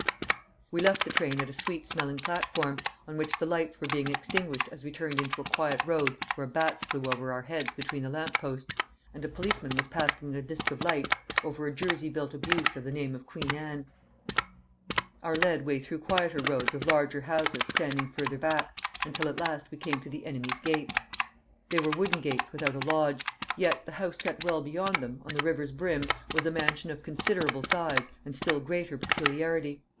We left the train at a sweet smelling platform, on which the lights were being extinguished as we turned into a quiet road where bats flew over our heads between the lamp posts, and a policeman was passing a disc of light over a jerry built abuse of the name of Queen Anne. Our way led through quieter roads of larger houses standing further back, until at last we came to the enemy's gates. They were wooden gates without a lodge, yet the house set well beyond them, on the river's brim, was a mansion of considerable size and still greater peculiarity.